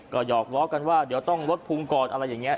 ก็หอกล้อกันว่าเดี๋ยวต้องลดภูมิก่อนอะไรอย่างนี้